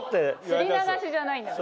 すり流しじゃないんだから。